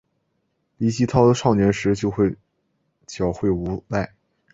李继韬少年时就狡狯无赖。